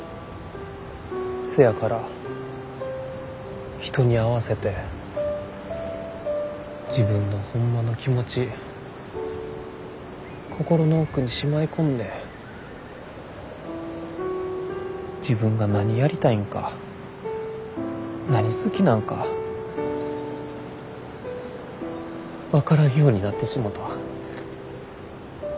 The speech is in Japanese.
せやから人に合わせて自分のホンマの気持ち心の奥にしまい込んで自分が何やりたいんか何好きなんか分からんようになってしもた。